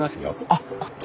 あっこっち？